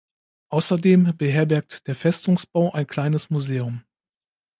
Außerdem beherbergt der Festungsbau ein kleines Museum.